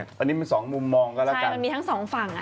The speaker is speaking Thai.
อันนี้มันสองมุมมองกันแล้วกันมันมีทั้งสองฝั่งอ่ะ